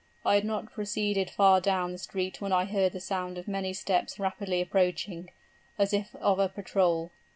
I had not proceeded far down the street when I heard the sound of many steps rapidly approaching, as if of a patrol.